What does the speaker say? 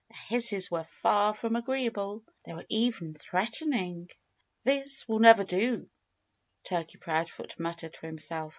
Their hisses were far from agreeable. They were even threatening. "This will never do," Turkey Proudfoot muttered to himself.